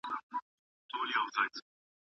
سياستپوهنه تر ډېرو نورو علومو زياته لرغونې ده.